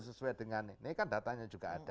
sesuai dengan ini kan datanya juga ada